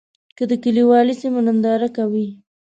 که د کلیوالي سیمو ننداره کوې.